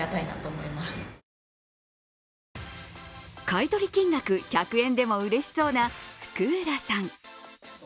買い取り金額１００円でもうれしそうな福浦さん。